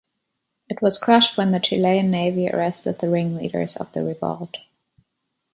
It was crushed when the Chilean navy arrested the ringleaders of the revolt.